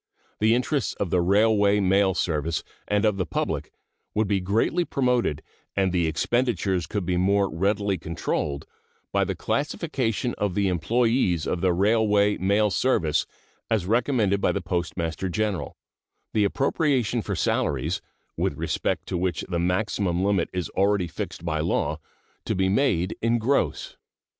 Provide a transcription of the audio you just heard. The interests of the Railway Mail Service and of the public would be greatly promoted and the expenditures could be more readily controlled by the classification of the employees of the Railway Mail Service as recommended by the Postmaster General, the appropriation for salaries, with respect to which the maximum limit is already fixed by law, to be made in gross.